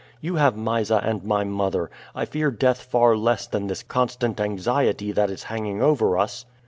You have Mysa and my mother. I fear death far less than this constant anxiety that is hanging over us."